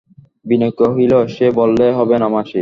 বিনয় কহিল, সে বললে হবে না মাসি!